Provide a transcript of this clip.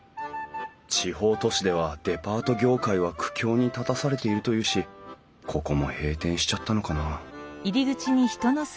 地方都市ではデパート業界は苦境に立たされているというしここも閉店しちゃったのかな？